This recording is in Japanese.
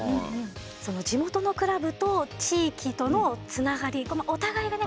その地元のクラブと地域とのつながりがお互いがね